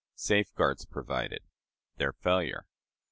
Safeguards provided. Their Failure.